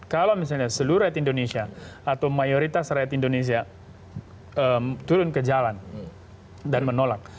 kalau misalnya seluruh rakyat indonesia atau mayoritas rakyat indonesia turun ke jalan dan menolak